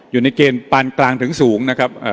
อยู่ในเกณฑ์ปานกลางถึงสูงนะครับ